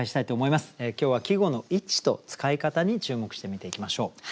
今日は季語の位置と使い方に注目して見ていきましょう。